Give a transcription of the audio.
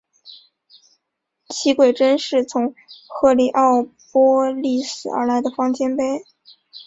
其晷针是从赫利奥波利斯而来的方尖碑。